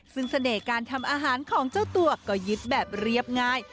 ซึ่งเสน่ห์การทำอาหารของเจ้าตัวก็ยึดแบบเรียบง่าย